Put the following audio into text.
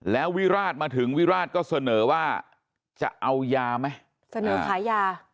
แล้ววิราชมาถึงวิราชก็เสนอว่าจะเอายาไหมเสนอขายยา